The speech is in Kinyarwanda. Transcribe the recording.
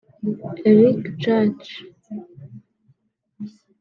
-- Eric Church